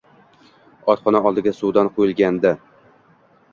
Otxona oldiga suvdon qo`yilgandi